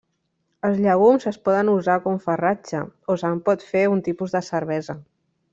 Els llegums es poden usar com farratge o se'n pot fer un tipus de cervesa.